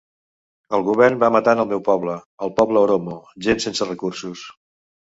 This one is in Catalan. El govern va matant el meu poble, el poble oromo, gent sense recursos.